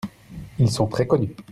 Ils sont très connus.